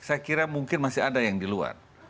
saya kira mungkin masih ada yang di luar